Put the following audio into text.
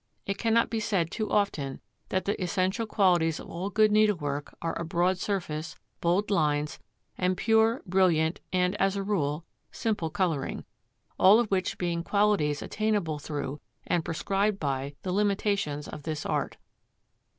It cannot be said too often that the essential qualities of all good needlework are a broad surface, bold lines and pure, brilliant and, as a rule, simple colouring; all of which being qualities attainable through, and prescribed by, the limitations of this art.